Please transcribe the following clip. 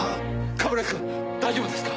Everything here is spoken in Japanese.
冠城くん大丈夫ですか！？